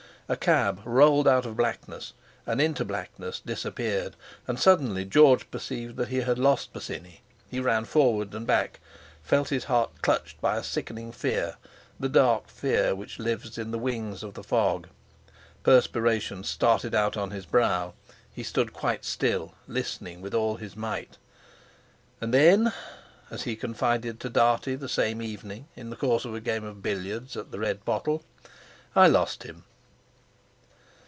A cab rolled out of blackness, and into blackness disappeared. And suddenly George perceived that he had lost Bosinney. He ran forward and back, felt his heart clutched by a sickening fear, the dark fear which lives in the wings of the fog. Perspiration started out on his brow. He stood quite still, listening with all his might. "And then," as he confided to Dartie the same evening in the course of a game of billiards at the Red Pottle, "I lost him."